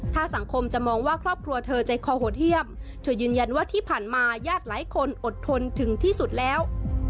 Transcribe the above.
ถ้าสังคมจะมองว่าครอบครัวเธอใจคอโหดเยี่ยมเธอยืนยันว่าที่ผ่านมาญาติหลายคนอดทนถึงที่สุดแล้ว